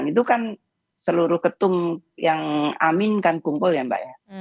itu kan seluruh ketum yang amin kan kumpul ya mbak ya